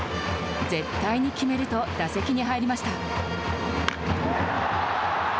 絶対に決めると打席に入りました。